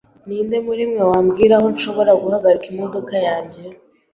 Ninde muri mwe wambwira aho nshobora guhagarika imodoka yanjye?